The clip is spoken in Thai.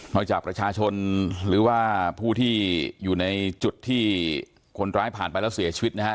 จากประชาชนหรือว่าผู้ที่อยู่ในจุดที่คนร้ายผ่านไปแล้วเสียชีวิตนะฮะ